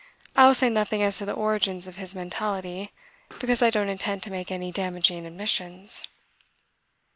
I will say nothing as to the origins of his mentality because I don't intend to make any damaging admissions.